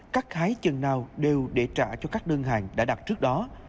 các hái chân nào đều để trả cho các đơn hàng đã đặt trước đó